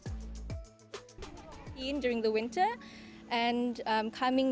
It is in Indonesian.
saya datang di sini pada musim musim